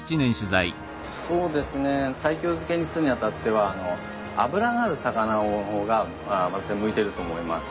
そうですね西京漬けにするにあたっては脂がある魚の方が私は向いてると思います。